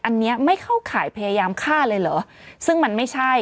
อันนี้ไม่เข้าขายพยายามฆ่าเลยเหรอ